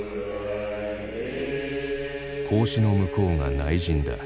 格子の向こうが内陣だ。